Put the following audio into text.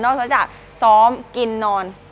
นอกจากซ้อมกินนอน